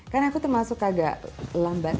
kan aku termasuk agak lambat